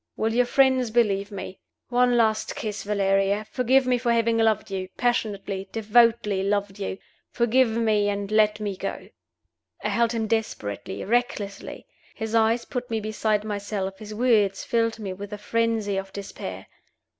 will your friends believe me? One last kiss, Valeria! Forgive me for having loved you passionately, devotedly loved you. Forgive me and let me go!" I held him desperately, recklessly. His eyes, put me beside myself; his words filled me with a frenzy of despair.